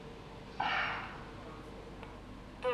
La cola es gruesa y la aleta caudal pequeña en relación al cuerpo.